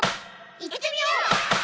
いってみよう！